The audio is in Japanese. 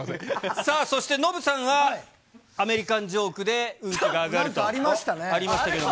さあ、そしてノブさんは、アメリカンジョークで運気が上がるとありましたけれども。